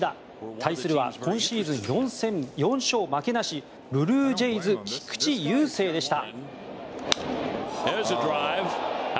対するは今シーズン４戦４勝負けなしブルージェイズ菊池雄星でした。